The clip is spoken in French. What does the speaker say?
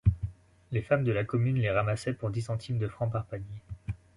Les femmes de la commune les ramassaient pour dix centimes de francs par panier.